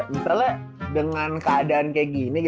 misalnya dengan keadaan kayak gini